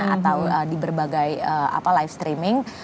atau di berbagai live streaming